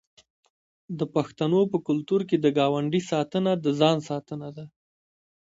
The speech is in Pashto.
د پښتنو په کلتور کې د ګاونډي ساتنه د ځان ساتنه ده.